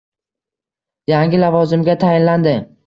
Yangi lavozimga tayinlandi.